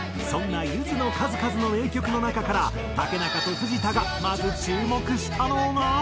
そんなゆずの数々の名曲の中から竹中と藤田がまず注目したのが。